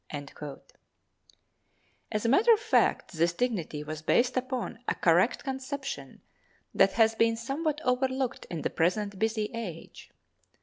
As a matter of fact this dignity was based upon a correct conception that has been somewhat overlooked in the present busy age.